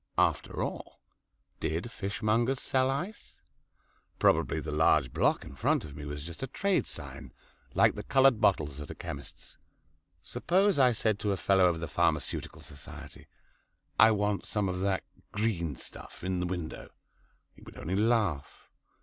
After all, did fishmongers sell ice? Probably the large block in front of me was just a trade sign like the coloured bottles at the chemist's. Suppose I said to a fellow of the Pharmaceutical Society, "I want some of that green stuff in the window," he would only laugh.